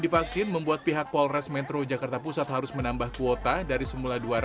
divaksin membuat pihak polres metro jakarta pusat harus menambah kuota dari semula